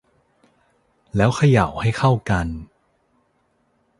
แล้วเขย่าให้เข้ากัน